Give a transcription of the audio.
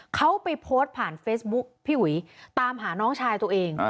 เขาไปโพสต์ผ่านเฟซบุ๊กพี่อุ๋ยตามหาน้องชายตัวเอง